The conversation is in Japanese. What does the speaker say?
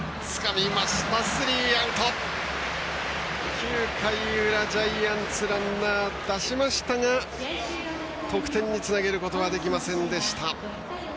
９回の裏、ジャイアンツランナー出しましたが得点につなげることはできませんでした。